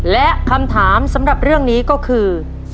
และคำถามสำหรับเรื่องนี้ก็คือ